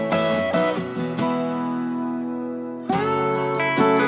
hẹn gặp lại